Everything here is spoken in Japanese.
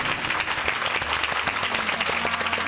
失礼いたします。